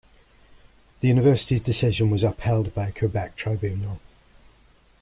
The university's decision was upheld by a Quebec tribunal.